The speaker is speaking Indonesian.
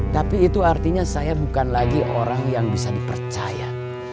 tapi itu artinya saya bukan lagi orang yang bisa dipercaya